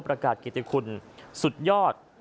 ประกาศกิติคุณสุดยอด